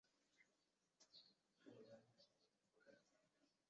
这让英国海军知道了德国的计划。